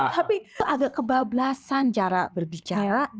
tapi agak kebablasan cara berbicara